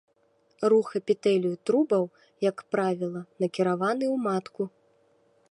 Рух эпітэлію трубаў, як правіла, накіраваны ў матку.